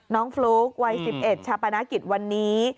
น้องฟลุ๊กวัย๑๑ชะปานากิจวันนี้